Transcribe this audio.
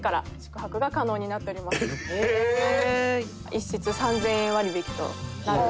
１室３０００円割引と。